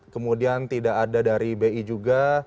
kemudian tidak ada dari bi juga